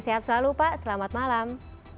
sehat selalu pak selamat malam